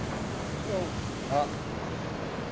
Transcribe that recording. あっ。